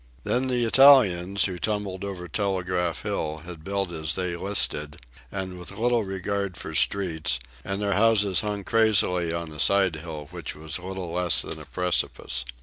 Then the Italians, who tumbled over Telegraph Hill, had built as they listed and with little regard for streets, and their houses hung crazily on a side hill which was little less than a precipice.